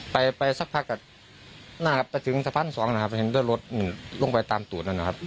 ไปไปซักพัค่ะนะครับแต่ถึงการพันส่องลดกันลงไปตามตู้ดนั้นนะครับ